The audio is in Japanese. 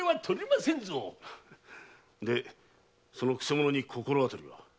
でその曲者に心当たりは？